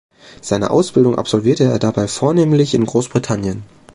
Seine Ausbildung absolvierte er dabei vornehmlich in Großbritannien.